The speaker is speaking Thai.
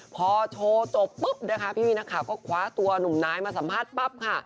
พอโชว์จบปุ๊บนะคะพี่นักข่าวก็คว้าตัวหนุ่มนายมาสัมภาษณ์ปั๊บค่ะ